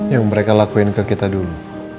yang mereka lakuin ke kita dulu